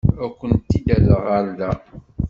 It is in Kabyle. Ad kent-id-rreɣ ɣer da.